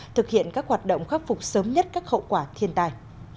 thực hiện các hoạt động khắc phục sớm nhất các hậu quả thiên tai